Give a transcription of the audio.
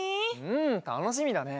うんたのしみだね。